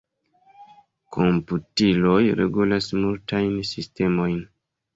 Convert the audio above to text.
Komputiloj regulas multajn sistemojn.